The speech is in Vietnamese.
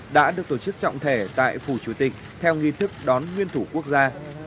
đã được tổ chức trọng thể tại phủ chủ tịch theo nghi thức đón nguyên thủ quốc gia